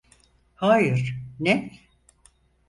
Hayır, ne?